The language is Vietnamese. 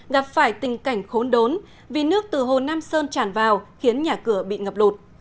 gặp phải tình cảnh khốn đốn vì nước từ hồ nam sơn tràn vào khiến nhà cửa bị ngập lụt